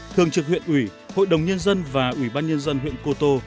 thường trực huyện ủy hội đồng nhân dân và ủy ban nhân dân huyện cô tô